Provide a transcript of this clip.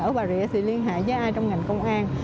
ở bà rịa thì liên hệ với ai trong ngành công an